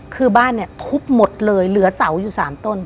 คือบ้านเนี่ยทุบหมดเลยเหลือเสาอยู่๓ต้น